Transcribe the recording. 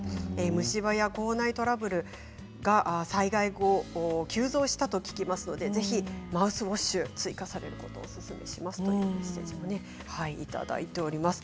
虫歯や口内トラブルが災害後急増したと聞きますのでぜひマウスウォッシュを追加されることをおすすめしますというメッセージもいただいております。